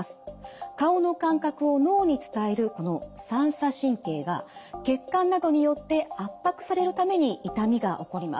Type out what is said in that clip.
顔の感覚を脳に伝えるこの三叉神経が血管などによって圧迫されるために痛みが起こります。